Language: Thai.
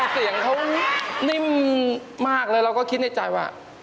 เสียงเขานิ่มมากเลยเราก็คิดในใจว่า